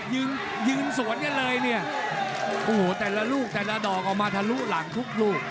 เมื่อสักครู่หมุดละ